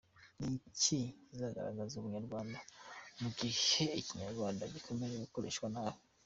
Ni iki kizagaragaza Ubunyarwanda mu gihe Ikinyarwanda gikomeje gukoreshwa nabi?